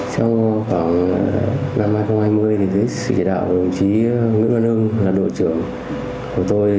trong khoảng năm hai nghìn hai mươi dưới sự chỉ đạo của đồng chí nguyễn văn hưng là đội trưởng của tôi